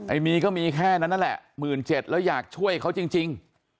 ไอ้มีก็มีแค่นั้นแหละหมื่นเจ็ดแล้วอยากช่วยเขาจริง